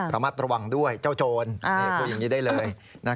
ระมัดระวังด้วยเจ้าโจรพูดอย่างนี้ได้เลย